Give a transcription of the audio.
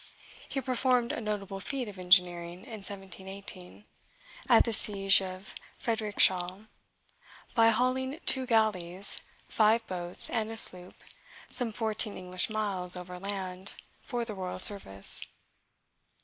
He performed a notable feat of engineering in 1718, at the siege of Fredericshall, by hauling two galleys, five boats, and a sloop, some fourteen English miles overland, for the royal service.